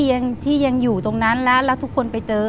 ยังที่ยังอยู่ตรงนั้นแล้วแล้วทุกคนไปเจอ